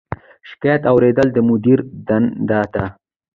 شکایت اوریدل د مدیر دنده ده